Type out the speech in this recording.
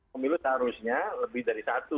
pemilu seharusnya lebih dari satu